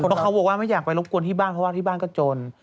เพราะเขาบอกว่าไม่อยากไปรบกวนที่บ้านเพราะว่าที่บ้านก็จน